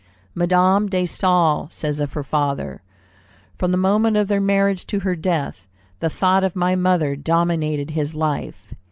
Madame de Staël says of her father, "From the moment of their marriage to her death, the thought of my mother dominated his life.